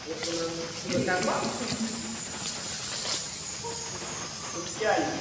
anga nje ikafaulu kupeleka watu wa kwanza hadi Mwezi mnamo